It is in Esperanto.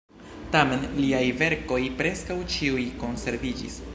Tamen liaj verkoj preskaŭ ĉiuj konserviĝis.